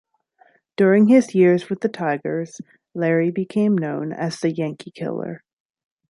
During his years with the Tigers, Lary became known as The Yankee Killer.